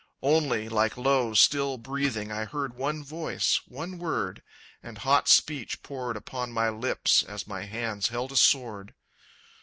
_Only, like low, still breathing, I heard one voice, one word; And hot speech poured upon my lips, As my hands held a sword.